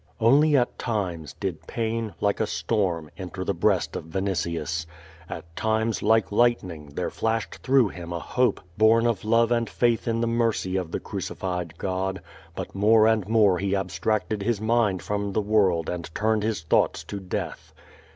Only at times, did pain, like a storm, enter the breast of Vinitius. At times, like lightning, there flashed through him a hope, born of love and faith in the mercy of the cru cified God; but more and more he abstracted his mind from the world and turned his thoughts to death.